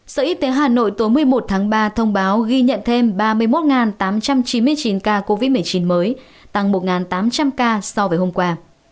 sở y tế hà nội tối một mươi một tháng ba thông báo ghi nhận thêm ba mươi một tám trăm chín mươi chín ca covid một mươi chín mới tăng một tám trăm linh ca so với hôm qua